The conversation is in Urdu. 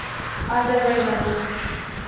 آذربائیجانی